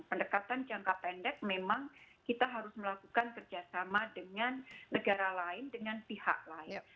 pendekatan jangka pendek memang kita harus melakukan kerjasama dengan negara lain dengan pihak lain